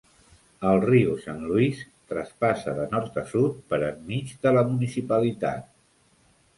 El riu Saint Louis traspassa de nord a sud per enmig de la municipalitat.